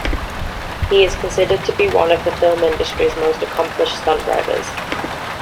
He is considered to be one of the film industry's most accomplished stunt drivers.